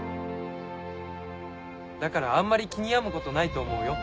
だからあんまり気に病むことないと思うよ。